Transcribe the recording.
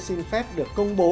xin phép được công bố